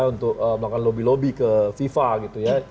untuk melakukan lobby lobby ke fifa gitu ya